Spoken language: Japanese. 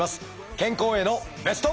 健康へのベスト。